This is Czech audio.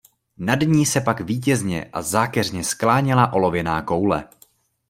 Nad ní se pak vítězně a zákeřně skláněla olověná koule.